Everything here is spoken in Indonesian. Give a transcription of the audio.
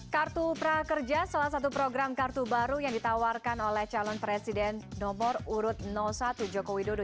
kartu prakerja salah satu program kartu baru yang ditawarkan oleh calon presiden nomor urut satu jokowi dodo